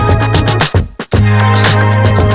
tante seorang ngechat gue semalam